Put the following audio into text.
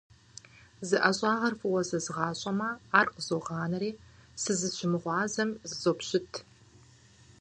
Зы ӀэщӀагъэр фӀыуэ зэзгъащӀэмэ, ар къызогъанэри, сызыщымыгъуазэм зызопщыт.